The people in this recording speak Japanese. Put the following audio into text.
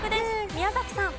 宮崎さん。